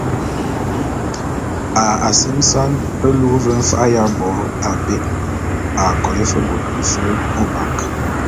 A asimesan e luu ve mfa’a y abo abé a kolé fe bôt befe ôbak.